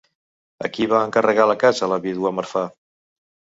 A qui va encarregar la casa la vídua Marfà?